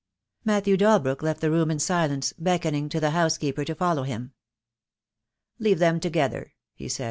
Matthew Dalbrook left the room in silence, beckoning to the housekeeper to follow him. "Leave them together," he said.